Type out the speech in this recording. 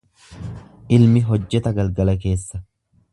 Ilmi hojjeta galgala keessa.